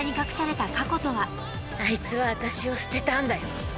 「あいつはあたしを捨てたんだよ」